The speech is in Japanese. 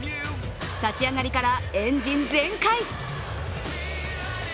立ち上がりからエンジン全開。